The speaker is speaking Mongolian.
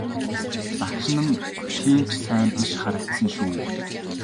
Лагшин нь тийм ч сайн биш харагдсан шүү.